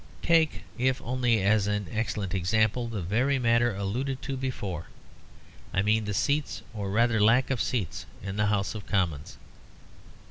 Take, if only as an excellent example, the very matter alluded to before; I mean the seats, or rather the lack of seats, in the House of Commons.